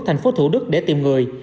thành phố thủ đức để tìm người